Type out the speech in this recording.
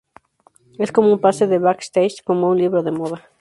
Es como un pase de backstage, como un libro de moda.